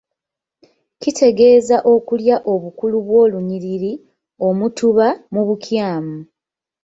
Kitegeeza okulya obukulu bw’olunyiriri, omutuba mu bukyamu.